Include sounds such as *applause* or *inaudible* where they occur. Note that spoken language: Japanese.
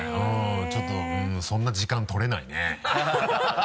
ちょっとそんな時間取れないねハハハ *laughs*